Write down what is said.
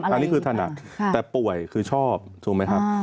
อันนี้คือถนัดแต่ป่วยคือชอบถูกไหมครับ